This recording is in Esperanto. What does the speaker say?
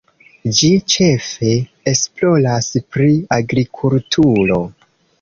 Ĝi ĉefe esploras pri agrikulturo.